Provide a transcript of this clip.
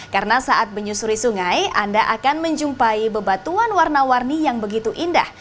karena saat menyusuri sungai anda akan menjumpai bebatuan warna warni yang begitu indah